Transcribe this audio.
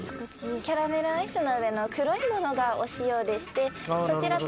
キャラメルアイスの上の黒いものがお塩でしてそちらと。